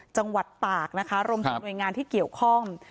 จังหวัดตากนะคะรวมถึงหน่วยงานที่เกี่ยวข้อง